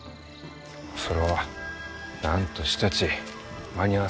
それはなんとしたち間に合わせないかんのう。